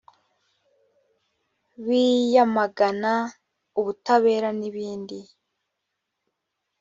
biyamagana ubutabera n ibindi